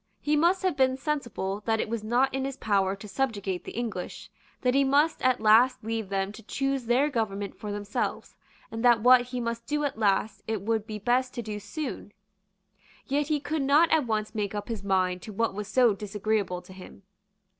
He must have been sensible that it was not in his power to subjugate the English, that he must at last leave them to choose their government for themselves, and that what he must do at last it would be best to do soon. Yet he could not at once make up his mind to what was so disagreeable to him.